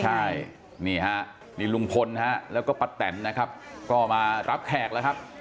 ใช่นี่ฮะนี่ลุงพลฮะแล้วก็ป้าแตนนะครับก็มารับแขกแล้วครับ